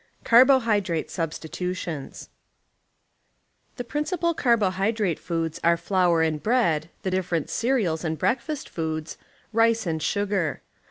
Carbohydrate Substitutions The principal carbohydrate foods are flour and bread, the different cereals and breakfast foods, rice and sugar.